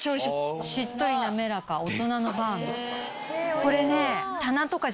これね。